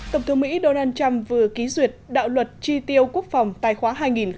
tổng thống mỹ donald trump vừa ký duyệt đạo luật tri tiêu quốc phòng tài khoá hai nghìn một mươi năm